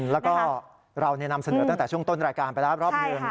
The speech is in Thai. แล้วก็เรานำเสนอตั้งแต่ช่วงต้นรายการไปแล้วรอบหนึ่ง